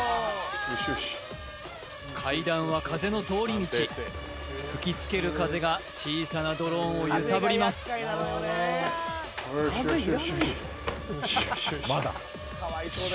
よしよし階段は風の通り道吹きつける風が小さなドローンを揺さぶりますよーし